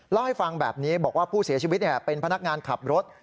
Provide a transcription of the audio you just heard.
เล่าให้ฟังแบบนี้บอกว่าผู้เสียชีวิตเป็นพนักงานขับรถ